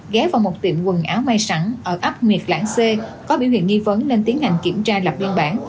ghé vào một tiệm quần áo may sẵn ở ấp nguyệt lãng c có biểu hiện nghi vấn nên tiến hành kiểm tra lập biên bản